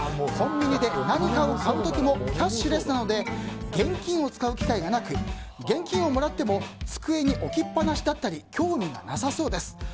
コンビニで何かを買う時もキャッシュレスなので現金を使う機会がなく現金をもらっても机に置きっぱなしだったり興味がなさそうです。